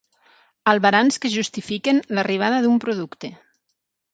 Albarans que justifiquen l'arribada d'un producte.